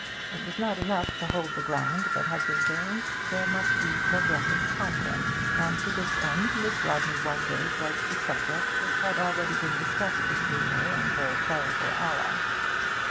It was not enough to hold the ground that had been gained; there must be progressive conquest; and to this end Miss Rodney one day broached a subject which had already been discussed between her and her clerical ally.